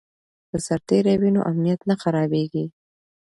که سرتیری وي نو امنیت نه خرابېږي.